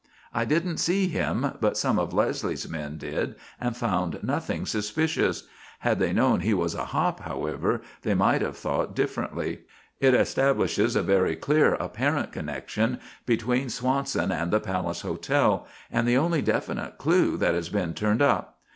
I didn't see him, but some of Leslie's men did and found nothing suspicious. Had they known he was a 'hop,' however, they might have thought differently. It establishes a very clear apparent connection between Swanson and the Palace Hotel and the only definite clue that has been turned up.